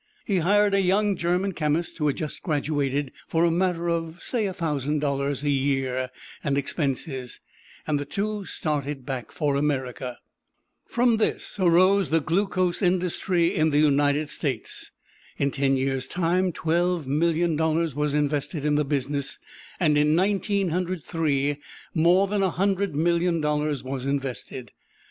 He hired a young German chemist, who had just graduated, for a matter of, say, a thousand dollars a year and expenses, and the two started back for America. From this arose the Glucose Industry in the United States. In ten years' time twelve million dollars was invested in the business; and in Nineteen Hundred Three more than a hundred million dollars was invested.